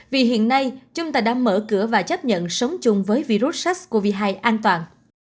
vì hiện nay chúng ta đã mở cửa và chấp nhận sống chung với virus sars cov hai an toàn